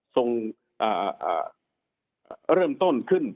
ส่งเริ่มต้นขึ้น